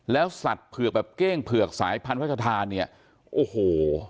แล้วสัตว์เผือกแบบเก้งเผือกสายพันธทานเนี่ยโอ้โห